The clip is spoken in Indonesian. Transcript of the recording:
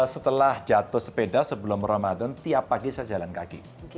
setelah jatuh sepeda sebelum ramadan tiap pagi saya jalan kaki